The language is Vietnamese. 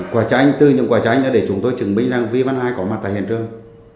quả tranh từ những quả tranh là để chúng tôi chứng minh rằng vi văn hai có mặt tại hiện trường